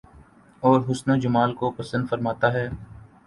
اور حسن و جمال کو پسند فرماتا ہے